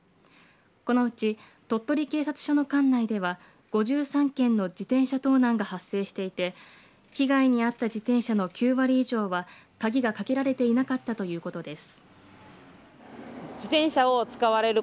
このうち鳥取警察署の管内では５３件の自転車盗難が発生していて被害に遭った自転車の９割以上は鍵がかけられていなかったということです。